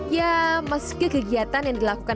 ya meski kegiatan yang dilakukan